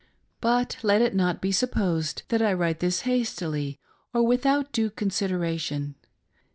But let it not be supposed that I write this hastily, or without due consideration.